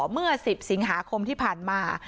เมื่อ๑๐สิงหาคมที่ผ่านมา